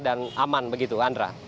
dan aman begitu andra